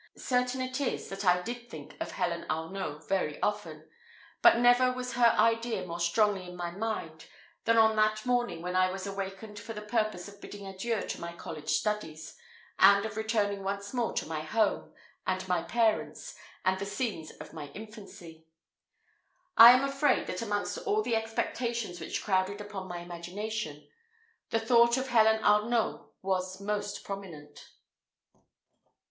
Certain it is, that I did think of Helen Arnault very often; but never was her idea more strongly in my mind than on that morning when I was awakened for the purpose of bidding adieu to my college studies, and of returning once more to my home, and my parents, and the scenes of my infancy. I am afraid, that amongst all the expectations which crowded upon my imagination, the thought of Helen Arnault was most prominent.